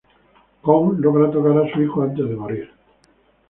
Kong logra tocar a su hijo antes de morir.